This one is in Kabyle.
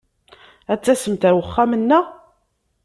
Ad tasemt ɣer wexxam-nneɣ?